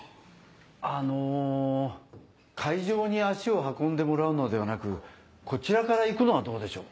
あの会場に足を運んでもらうのではなくこちらから行くのはどうでしょう。